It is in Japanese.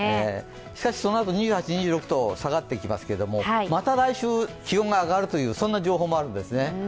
しかしそのあと２８、２６と下がっていきますけどまた来週、気温が上がるという情報もあるんですね。